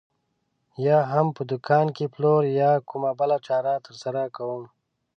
یا هم په دوکان کې پلور یا کومه بله چاره ترسره کوم.